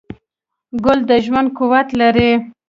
ګل د ژوند قوت لري.